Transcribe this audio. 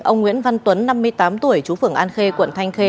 ông nguyễn văn tuấn năm mươi tám tuổi chú phường an khê quận thanh khê